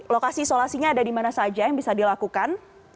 lokasi isolasinya ada di mana saja yang bisa dilakukan